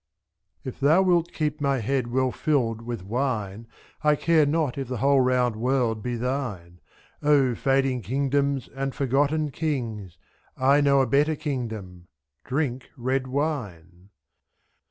24 If thou wilt keep my head well filled with wine, I care not if the whole round world be thine ;^^' O fading kingdoms and forgotten kings, I know a better kingdom — drink red wine.